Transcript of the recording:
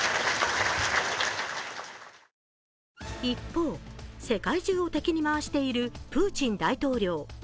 一方、世界中を敵に回しているプーチン大統領。